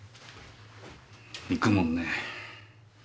行くもんね。